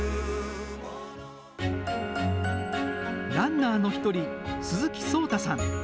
ランナーの一人、鈴木聡太さん。